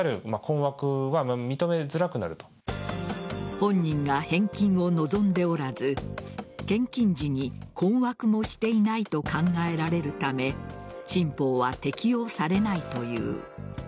本人が返金を望んでおらず献金時に困惑もしていないと考えられるため新法は適用されないという。